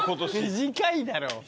短いだろ。